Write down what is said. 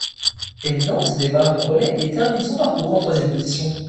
Eminente démarre le relais et termine son parcours en troisième position.